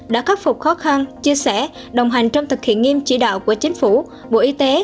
đã khắc phục khó khăn chia sẻ đồng hành trong thực hiện nghiêm chỉ đạo của chính phủ bộ y tế